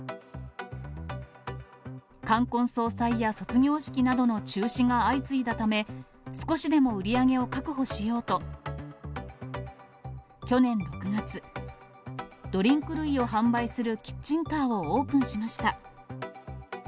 冠婚葬祭や卒業式などの中止が相次いだため、少しでも売り上げを確保しようと、去年６月、ドリンク類を販売するキッチンカーをオープンしました。